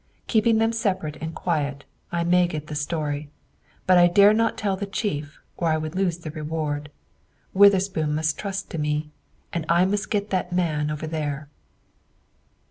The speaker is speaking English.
Keeping them separate and quiet, I may get the story. But I dare not tell the chief, or I would lose the reward. Witherspoon must trust to me. I must get that man over there."